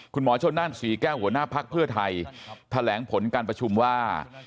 คุณหมอชนนั่นศรีแก้วหัวหน้าภักดิ์เพื่อไทยแถลงผลการประชุมว่า